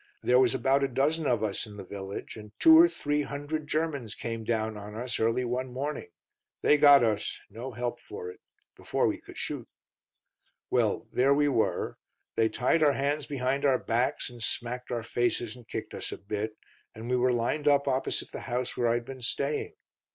There was about a dozen of us in the village, and two or three hundred Germans came down on us early one morning. They got us; no help for 'it. Before we could shoot. "Well there we were. They tied our hands behind our backs, and smacked our faces and kicked us a bit, and we were lined up opposite the house where I'd been staying.